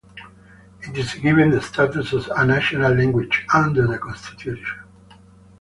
It is given the status of a national language under the constitution.